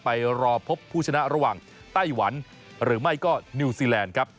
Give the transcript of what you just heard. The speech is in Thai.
ไปรอพบผู้ชนะระหว่างไต้หวันหรือไม่ก็นิวซีแลนด์ครับ